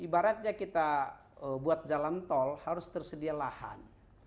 ibaratnya kita buat jalan tol harus tersedia lahan